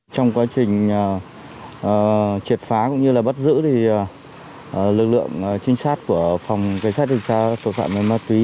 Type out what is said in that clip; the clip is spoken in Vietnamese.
trong quá trình triệt phá cũng như là bắt giữ lực lượng trinh sát của phòng cảnh sát điều tra tội phạm về ma túy